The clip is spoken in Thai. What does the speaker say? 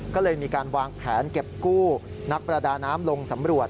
ก็เลยมีการวางแผนเก็บกู้นักประดาน้ำลงสำรวจ